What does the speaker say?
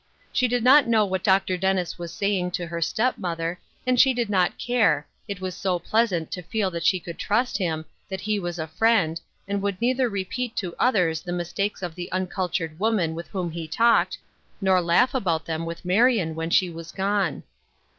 She did not know what Dr. Dennis was saying to her step mother, and she did not care, it was so pleasant to feel that she could trust him, that he was a friend, and would neither repeat to others the mistakes of the uncultured woman with whom he talked, nor laugh about them with Marion when she was gone.